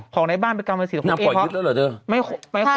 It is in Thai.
ของในบ้านไม่ใช่หรอก